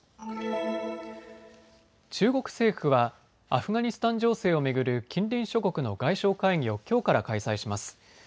中国政府はアフガニスタン情勢を巡る近隣諸国の外相会議をきょうから開催します。